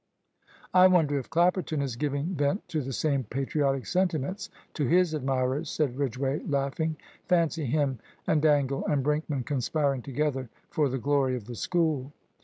"I wonder if Clapperton is giving vent to the same patriotic sentiments to his admirers," said Ridgway, laughing. "Fancy him, and Dangle, and Brinkman conspiring together for the glory of the School."